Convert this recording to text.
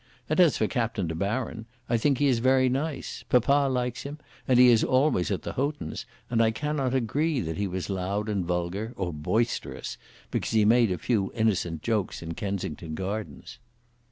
And as for Captain De Baron, I think he is very nice. Papa likes him, and he is always at the Houghtons, and I cannot agree that he was loud and vulgar, or boisterous, because he made a few innocent jokes in Kensington Gardens."